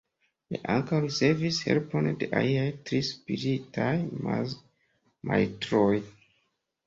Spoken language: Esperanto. Li ankaŭ ricevis helpon de aliaj tri spiritaj majstroj.